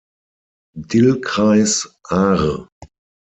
Dillkreis "Aar".